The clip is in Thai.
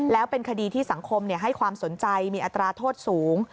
แล้วเป็นคดีที่สังคมให้ความสนใจมีอัตราโทษสูง